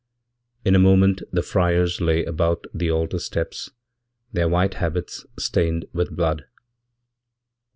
In a moment the friars layabout the altar steps, their white habits stained with blood.